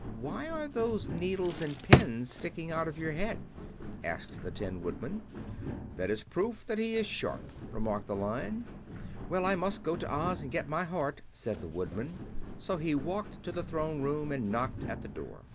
"Why are those needles and pins sticking out of your head?" asked the Tin Woodman. "That is proof that he is sharp," remarked the Lion. "Well, I must go to Oz and get my heart," said the Woodman. So he walked to the Throne Room and knocked at the door.